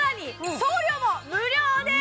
送料も無料です！